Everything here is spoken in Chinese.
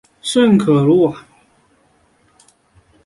圣克鲁瓦。